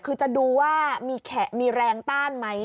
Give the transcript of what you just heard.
คือจะดูว่ามีแรงต้านไหม